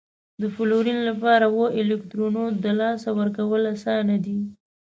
د فلورین لپاره اوو الکترونو د لاسه ورکول اسان دي؟